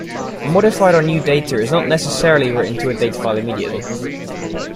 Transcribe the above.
Modified or new data is not necessarily written to a datafile immediately.